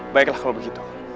baiklah kalau begitu